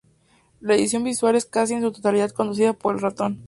La edición visual es casi en su totalidad conducida por el ratón.